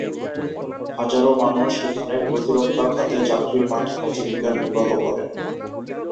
হাজারো মানুষ এখানে প্রতিরক্ষা খাতে চাকরির মাধ্যমে জীবিকা নির্বাহ করেন।